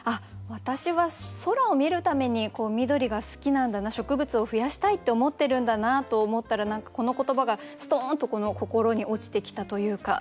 私は空を見るために緑が好きなんだな植物を増やしたいって思ってるんだなと思ったら何かこの言葉がストンと心に落ちてきたというか。